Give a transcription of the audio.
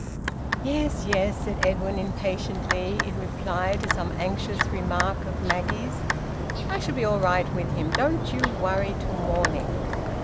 "Yes, yes," said Edwin, impatiently, in reply to some anxious remark of Maggie's, "I shall be all right with him. Don't you worry till morning."